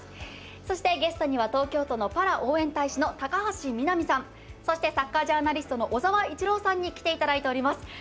そして、ゲストには東京都のパラ応援大使高橋みなみさんそしてサッカージャーナリストの小澤一郎さんに来ていただいています。